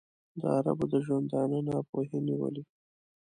د عربو د ژوندانه ناپوهۍ نیولی.